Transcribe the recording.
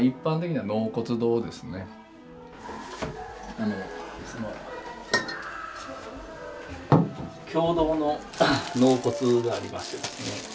あの共同の納骨がありましてですね